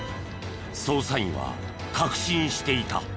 捜査員は確信していた。